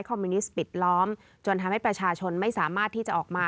มิวนิสต์ปิดล้อมจนทำให้ประชาชนไม่สามารถที่จะออกมา